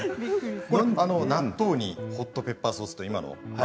納豆にホットペッパーソース。